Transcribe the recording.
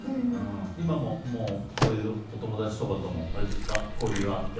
今もそういうお友達とも交流があって？